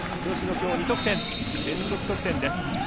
今日２得点、連続得点です。